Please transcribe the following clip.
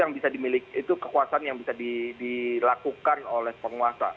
karena itu kekuasaan yang bisa dilakukan oleh penguasa